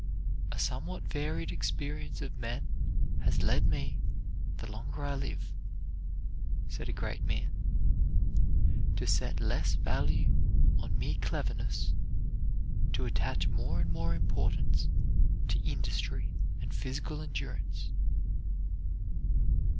"A somewhat varied experience of men has led me, the longer I live," said a great man, "to set less value on mere cleverness; to attach more and more importance to industry and physical endurance."